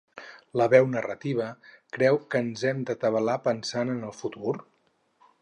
La veu narrativa creu que ens hem d'atabalar pensant en el futur?